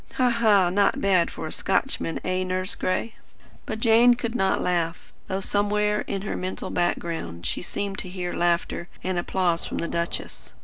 Ha, ha! Not bad for a Scotchman, eh, Nurse Gray?" But Jane could not laugh; though somewhere in her mental background she seemed to hear laughter and applause from the duchess.